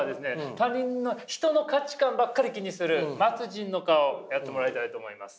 他人の人の価値観ばっかり気にする末人の顔をやってもらいたいと思います。